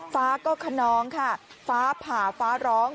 ฟ้าก็ขนองค่ะฟ้าผ่าฟ้าร้อง